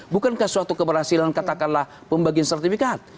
bukankah suatu keberhasilan katakanlah pembagian sertifikat